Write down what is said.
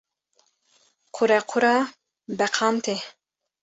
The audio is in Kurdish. Qurequra beqan tê.